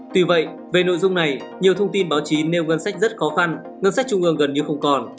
tuy vậy về nội dung này nhiều thông tin báo chí nêu ngân sách rất khó khăn ngân sách trung ương gần như không còn